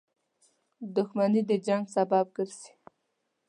• دښمني د جنګ سبب ګرځي.